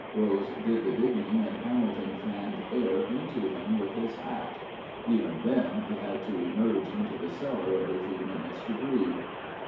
Rose did the digging, and Hamilton fanned air into him with his hat: even then he had to emerge into the cellar every few minutes to breathe.